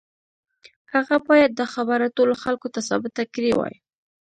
هغه بايد دا خبره ټولو خلکو ته ثابته کړې وای.